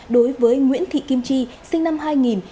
đối với nguyễn thị kim chi sinh năm hai nghìn